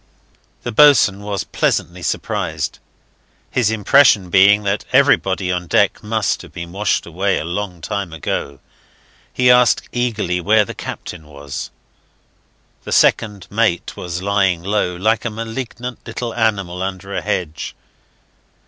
The boatswain was pleasantly surprised his impression being that everybody on deck must have been washed away a long time ago. He asked eagerly where the Captain was. The second mate was lying low, like a malignant little animal under a hedge.